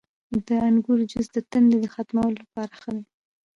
• د انګورو جوس د تندې ختمولو لپاره ښه دی.